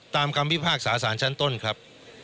คำพิพากษาสารชั้นต้นครับ